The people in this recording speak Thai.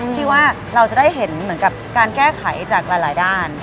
ที่ว่าเราจะได้เห็นการแก้ไขจากหลายด้าน